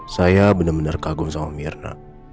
saya bener bener kagum sama mirna